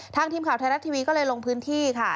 ทีมข่าวไทยรัฐทีวีก็เลยลงพื้นที่ค่ะ